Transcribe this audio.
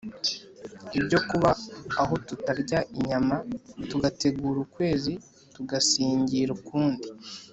Ibyo kuba aho tutarya inyama tugaterura ukwezi tugasingira ukundi!